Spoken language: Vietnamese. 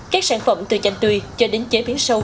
các sản phẩm từ chanh tươi cho đến chế biến sâu